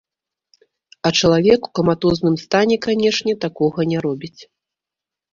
А чалавек у каматозным стане, канечне, такога не робіць.